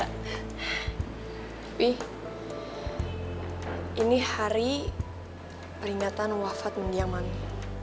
tapi ini hari peringatan wafat mendiang mami